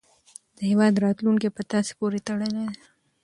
د هیواد راتلونکی په تاسې پورې تړلی دی.